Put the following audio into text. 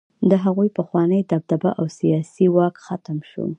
د هغوی پخوانۍ دبدبه او سیاسي واک ختم شو.